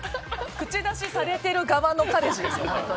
口出しされてる側の彼氏ですよ